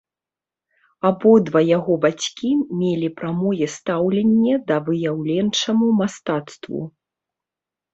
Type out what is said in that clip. Абодва яго бацькі мелі прамое стаўленне да выяўленчаму мастацтву.